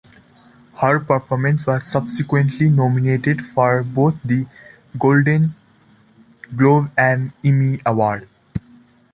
Her performance was subsequently nominated for both the Golden Globe and Emmy awards.